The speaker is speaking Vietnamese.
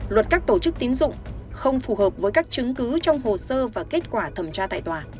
luật các tổ chức tín dụng không phù hợp với các chứng cứ trong hồ sơ và kết quả thẩm tra tại tòa